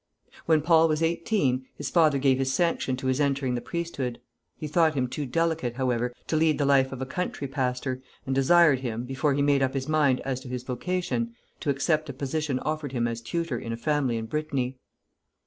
"] When Paul was eighteen, his father gave his sanction to his entering the priesthood; he thought him too delicate, however, to lead the life of a country pastor, and desired him, before he made up his mind as to his vocation, to accept a position offered him as tutor in a family in Brittany.